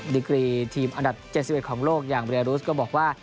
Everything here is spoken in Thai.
ดีกรีทีมอันดับ๗๑ของโลกอย่างเรียรุสก็บอกว่า